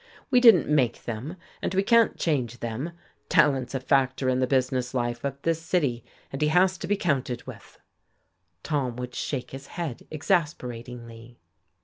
"We didn't make them, and we can't change them. Tallant's a factor in the business life of this city, and he has to be counted with." Tom would shake his head exasperatingly.